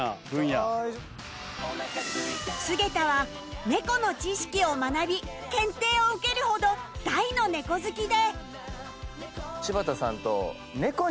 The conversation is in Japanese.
菅田はねこの知識を学び検定を受けるほど大のねこ好きで